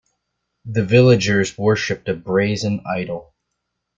The villagers worshipped a brazen idol